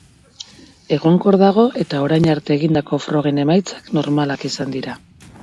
Egonkor dago eta orain arte egindako frogen emaitzak normalak izan dira.